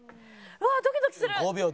うわドキドキする！